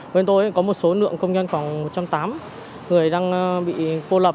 bên tôi có một số nượng công nhân khoảng một trăm tám mươi người đang bị cô lập